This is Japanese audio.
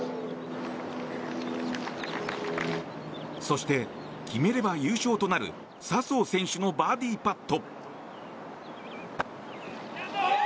そして決めれば優勝となる笹生選手のバーディーパット。